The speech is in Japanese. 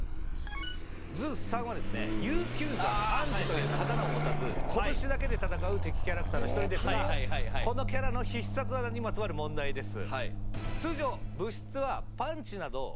図３はですね悠久山安慈という刀を持たず拳だけで戦う敵キャラクターの１人ですがこのキャラの必殺技にまつわる問題です。